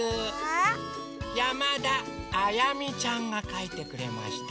やまだあやみちゃんがかいてくれました。